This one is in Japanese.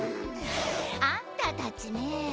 あんたたちねぇ